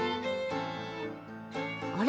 あれ？